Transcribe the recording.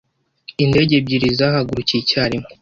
Indege ebyiri zahagurukiye icyarimwe.